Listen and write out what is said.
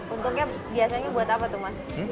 untungnya biasanya buat apa tuh mas